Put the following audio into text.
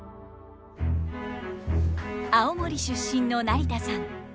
青森出身の成田さん。